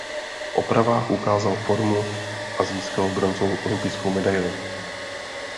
V opravách ukázal formu a získal bronzovou olympijskou medaili.